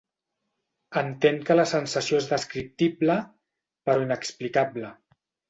Entén que la sensació és descriptible, però inexplicable.